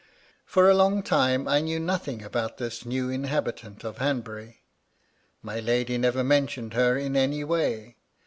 For a long time, I knew nothing about this new inhabitant of Hanbury. My lady never mentioned her in any way.